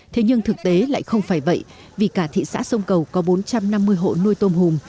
thế nhưng thực tế lại không phải vậy vì cả thị xã sông cầu có bốn trăm năm mươi hộ nuôi tôm hùm